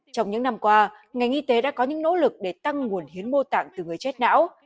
trong những năm qua ngành y tế đã có những nỗ lực để tăng nguồn hiến mô tạng từ người chết não